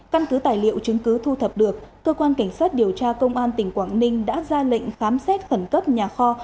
căn cứ tài liệu chứng cứ thu thập được cơ quan cảnh sát điều tra công an tỉnh quảng ninh đã ra lệnh khám xét khẩn cấp nhà kho